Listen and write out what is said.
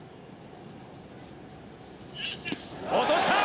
落とした！